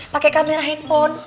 pakai kamera handphone